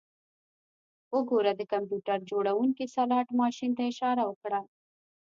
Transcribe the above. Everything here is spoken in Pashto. وګوره د کمپیوټر جوړونکي سلاټ ماشین ته اشاره وکړه